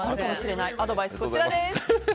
アドバイスはこちらです。